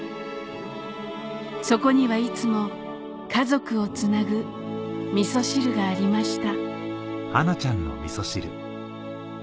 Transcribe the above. そこにはいつも家族をつなぐみそ汁がありました